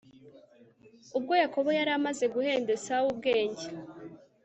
Ubgo Yakobo yaramaze guhendEsau ubgenge